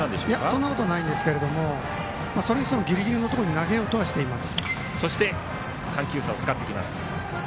そんなことはないんですがそれにしてもギリギリのところに投げようとしています。